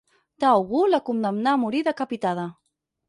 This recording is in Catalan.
Tao Wu la condemnà a morir decapitada.